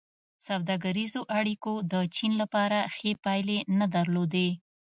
سوداګریزو اړیکو د چین لپاره ښې پایلې نه درلودې.